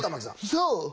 そう！